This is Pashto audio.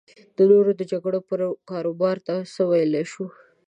د نورو د جګړو پر کاروبار څه ویلی شو.